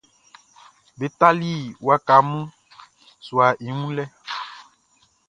Be tali waka mun suaʼn i wun lɛ.